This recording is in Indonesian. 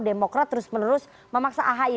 demokrat terus menerus memaksa ahy